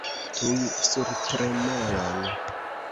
Tuj sur tremolon!